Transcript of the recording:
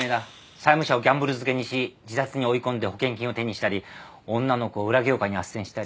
債務者をギャンブル漬けにし自殺に追い込んで保険金を手にしたり女の子を裏業界に斡旋したり。